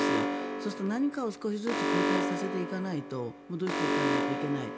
そうすると何かを少しずつ後退させていかないと戻していかないといけない。